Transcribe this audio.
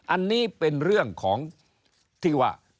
อันนี้เป็นเรื่องของที่ว่า